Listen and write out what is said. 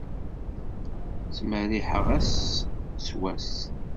Ttmerriḥeɣ ass s wass.